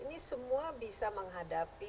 ini semua bisa menghadapi